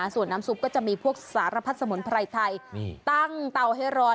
ส่วนน้ำซุปก็จะมีพวกสารพัดสมุนไพรไทยตั้งเตาให้ร้อน